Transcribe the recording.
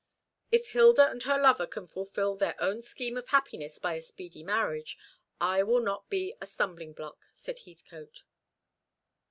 "If Hilda and her lover can fulfil their own scheme of happiness by a speedy marriage, I will not be a stumbling block," said Heathcote.